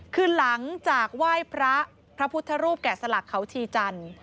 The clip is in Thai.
คือหลังจากไหว้พระพระพุทธรูปแกะสลักเขาชีจันทร์